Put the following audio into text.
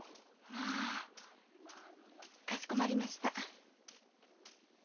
まあかしこまりました。